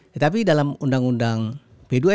tetapi dalam undang undang p dua sk ini